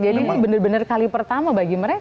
jadi ini benar benar kali pertama bagi mereka